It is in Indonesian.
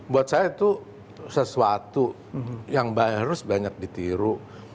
buat saya itu sesuatu yang baru harus banyak ditiru